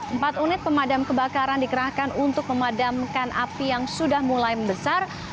empat unit pemadam kebakaran dikerahkan untuk memadamkan api yang sudah mulai membesar